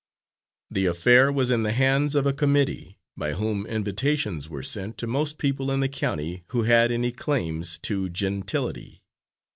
The affair was in the hands of a committee, by whom invitations were sent to most people in the county who had any claims to gentility.